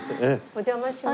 お邪魔します。